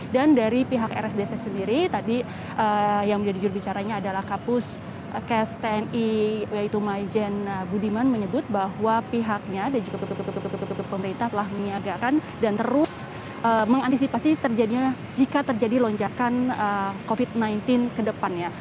dan dari pihak rsdc sendiri tadi yang menjadi jurubicaranya adalah kapus ks tni yaitu maizen budiman menyebut bahwa pihaknya dan juga pemerintah telah meniagakan dan terus mengantisipasi jika terjadi lonjakan covid sembilan belas ke depannya